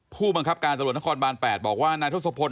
ผู้บังคับการตำรวจนครบาน๘บอกว่านายทศพล